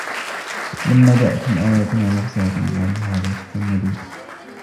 فلما جاءتهم آياتنا مبصرة قالوا هذا سحر مبين